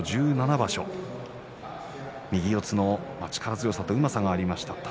１７場所右四つの力強さとうまさがありました